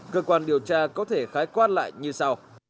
cơ quan điều tra có thể khái quát lại như sau